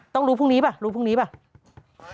ต้องรู้พรุ่งนี้ป่ะรู้พรุ่งนี้ป่ะ